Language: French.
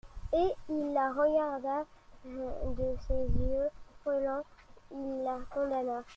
Et il la regarda de ses yeux brûlants, il la condamna.